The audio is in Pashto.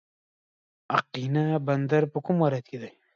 اقینه بندر په کوم ولایت کې دی؟